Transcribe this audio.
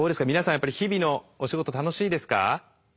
やっぱり日々のお仕事楽しいですか？